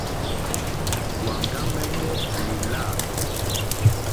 Wàŋɡámɛ́nɛ́ lìlâ.